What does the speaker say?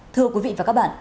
thưa quý vị và các bạn